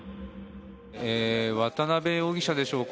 渡邉容疑者でしょうか。